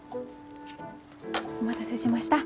お待たせしました。